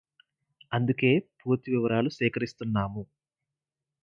అందుకే పూర్తి వివరాలు సేకరిస్తున్నాము